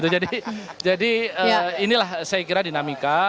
jadi inilah saya kira dinamika